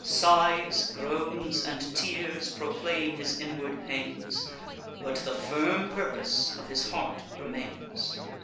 Sighs, groans, and tears proclaim his inward pains; But the firm purpose of his heart remains.